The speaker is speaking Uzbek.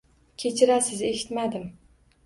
Kechirasiz, eshitmadim.